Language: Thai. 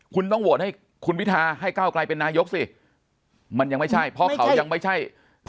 คุณต้องโหวตให้คุณพิทาให้ก้าวไกลเป็นนายกสิมันยังไม่ใช่เพราะเขายังไม่ใช่